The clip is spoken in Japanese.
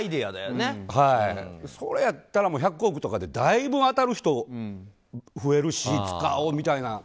それやったら１００億とかでだいぶ当たる人増えるし使おうみたいな。